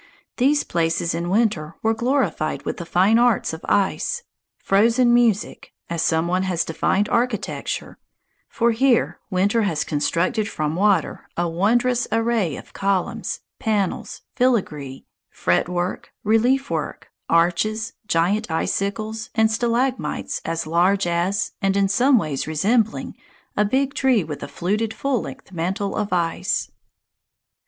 These places in winter were glorified with the fine arts of ice, "frozen music," as some one has defined architecture, for here winter had constructed from water a wondrous array of columns, panels, filigree, fretwork, relief work, arches, giant icicles, and stalagmites as large as, and in ways resembling, a big tree with a fluted full length mantle of ice.